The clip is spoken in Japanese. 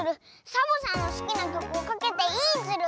サボさんのすきなきょくをかけていいズル！